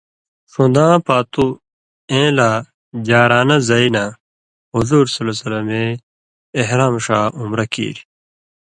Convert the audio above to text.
ݜُون٘داں پاتُو اېں لا جعرانہ زئ نہ حضورؐ اے احرام ݜا عمرہ کیریۡ۔